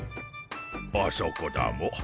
あそこだモ。